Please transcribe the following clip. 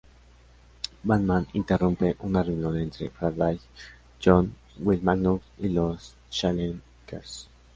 Batman interrumpe una reunión entre Faraday, J'onn, Will Magnus, y los Challengers.